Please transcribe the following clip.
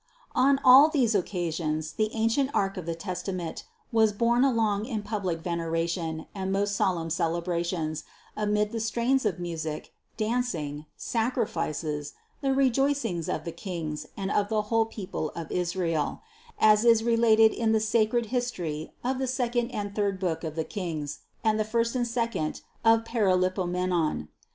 417. On all these occasions the ancient ark of the Tes 328 CITY OF GOD tament was borne along in public veneration and most solemn celebrations, amid the strains of music, dancing, sacrifices, the rejoicings of the kings and of the whole people of Israel, as is related in the sacred history of the second and third book of the Kings and the first and sec ond of Paralipomenon.